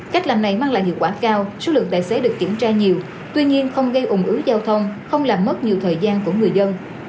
cách làm này mang lại hiệu quả cao số lượng tài xế được kiểm tra nhiều tuy nhiên không gây ủng ứ giao thông không làm mất nhiều thời gian của người dân